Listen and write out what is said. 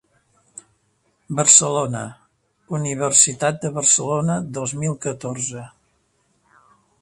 Barcelona: Universitat de Barcelona, dos mil catorze.